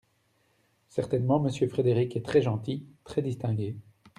Certainement Monsieur Frédéric est très gentil, très distingué…